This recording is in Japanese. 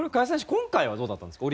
今回はどうだったんですか？